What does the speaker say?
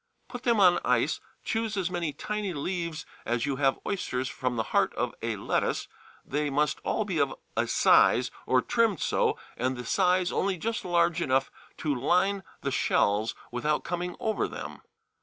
Put them on ice, choose as many tiny leaves as you have oysters from the heart of a lettuce; they must all be of a size, or trimmed so, and the size only just large enough to line the shells without coming over them.